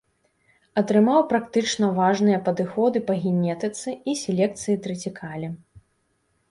Атрымаў практычна важныя падыходы па генетыцы і селекцыі трыцікале.